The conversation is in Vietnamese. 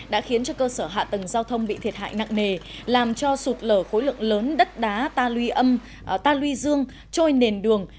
đã khiến cơ sở hạ tầng giao thông bị thiệt hại nặng nề làm cho sụt lở khối lượng lớn đất đá ta luy dương trôi nền đường